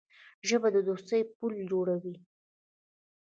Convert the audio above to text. ژبه د دوستۍ پُل جوړوي